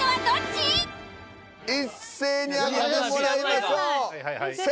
一斉に挙げてもらいましょう。